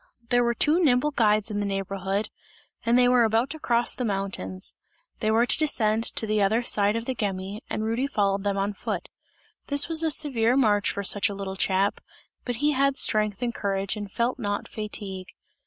There were two nimble guides in the neighbourhood, and they were about to cross the mountains; they were to descend to the other side of the Gemmi, and Rudy followed them on foot. This was a severe march for such a little chap, but he had strength and courage, and felt not fatigue.